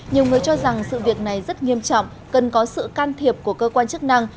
nhiều người cho rằng sự việc này rất nghiêm trọng cần có sự can thiệp của cơ quan chức năng